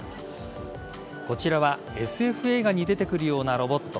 こちらはＳＦ映画に出てくるようなロボット。